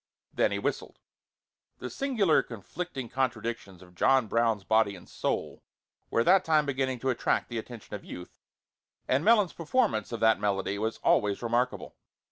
Then he whistled. The singular conflicting conditions of John Brown's body and soul were at that time beginning to attract the attention of youth, and Melons's performance of that melody was always remarkable.